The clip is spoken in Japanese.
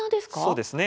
そうですね。